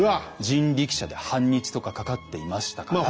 人力車で半日とかかかっていましたから。